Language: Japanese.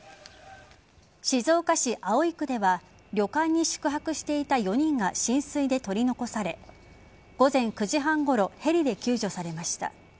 静岡市葵区では旅館に宿泊していた４人が浸水で取り残され午前９時半頃ヘリで救助されました。